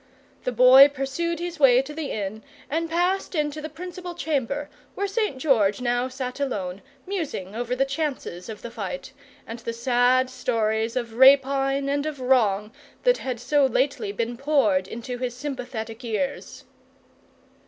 The Boy pursued his way to the inn, and passed into the principal chamber, where St. George now sat alone, musing over the chances of the fight, and the sad stories of rapine and of wrong that had so lately been poured into his sympathetic ears.